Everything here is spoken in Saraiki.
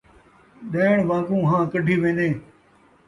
ݙیݨ وان٘گوں ہاں کڈھی وین٘دیں